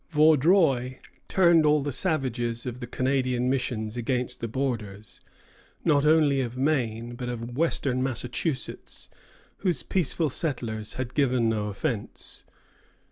Vaudreuil turned all the savages of the Canadian missions against the borders, not only of Maine, but of western Massachusetts, whose peaceful settlers had given no offence.